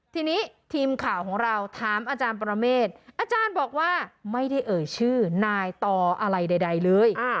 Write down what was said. ทีนี้ทีมข่าวของเราถามอาจารย์ประเมฆอาจารย์บอกว่าไม่ได้เอ่ยชื่อนายต่ออะไรใดเลย